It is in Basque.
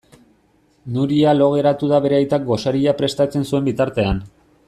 Nuria lo geratu da bere aitak gosaria prestatzen zuen bitartean.